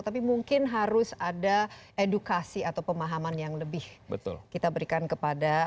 tapi mungkin harus ada edukasi atau pemahaman yang lebih kita berikan kepada